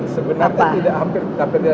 sebenarnya tidak hampir